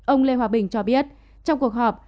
ông lê hòa bình cho biết trong cuộc họp